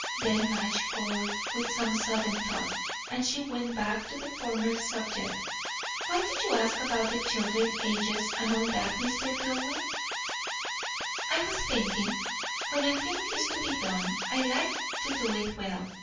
Then Madge coloured, with some sudden thought, and she went back to the former subject. "Why do you ask about the children's ages and all that, Mr. Dillwyn?" "I was thinking When a thing is to be done, I like to do it well.